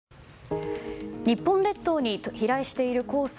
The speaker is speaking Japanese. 日本列島に飛来している黄砂。